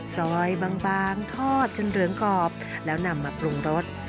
ซอยบางทอดจนเหลืองกรอบแล้วนำมาปรุงรส